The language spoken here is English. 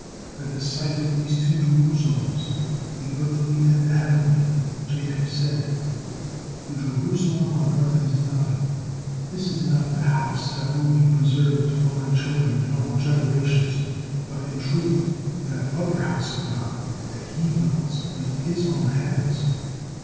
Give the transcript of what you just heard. At the sight of these two Jerusalems, the earthly and the heavenly, Jacob said: 'The Jerusalem on earth is nothing, this is not the house that will be preserved for my children in all generations, but in truth that other house of God, that He builds with His own hands.'